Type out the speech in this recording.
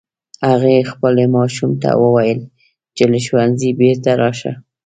هغې خپل ماشوم ته وویل چې له ښوونځي بیرته راشه